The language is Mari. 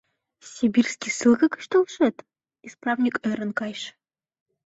— Сибирский ссылке гыч толшет? — исправник ӧрын кайыш.